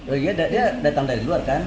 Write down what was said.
oh iya dia datang dari luar kan